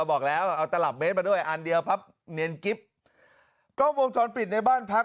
บอกแล้วเอาตลับเมตรมาด้วยอันเดียวพับเนียนกิ๊บกล้องวงจรปิดในบ้านพัก